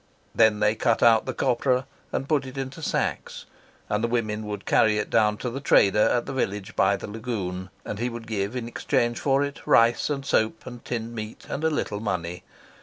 Then they cut out the copra and put it into sacks, and the women would carry it down to the trader at the village by the lagoon, and he would give in exchange for it rice and soap and tinned meat and a little money.